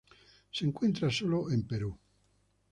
Se encuentra sólo en Perú.